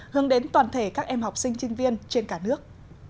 hướng đến toàn thể các em học sinh sinh viên trên cả nước